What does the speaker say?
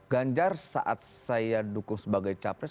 ganjar saat saya dukung sebagai capres